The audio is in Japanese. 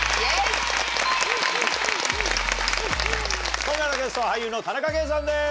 今夜のゲストは俳優の田中圭さんです！